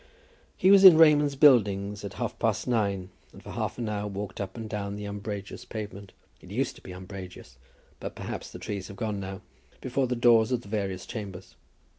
He was in Raymond's Buildings at half past nine, and for half an hour walked up and down the umbrageous pavement, it used to be umbrageous, but perhaps the trees have gone now, before the doors of the various chambers.